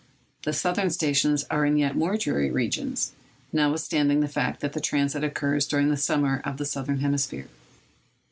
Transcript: The southern stations are in yet more dreary regions,—notwithstanding the fact that the transit occurs during the summer of the southern hemisphere.